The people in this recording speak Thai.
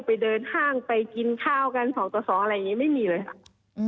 ไปเดินห้างไปกินข้าวกัน๒ต่อ๒อะไรอย่างนี้ไม่มีเลยค่ะ